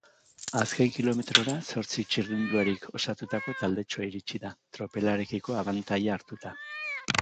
Azken kilometrora zortzi txirrindularik osatutako taldetxoa iritsi da, tropelarekiko abantaila hartuta.